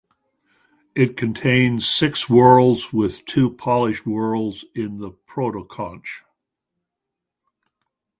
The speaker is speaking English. It contains six whorls with two polished whorls in the protoconch.